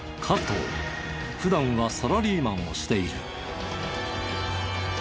普段はサラリーマンをしている。